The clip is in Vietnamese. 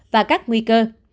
và các nguy cơ